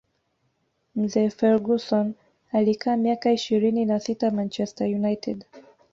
mzee Ferguson alikaa miaka ishirini na sita manchester united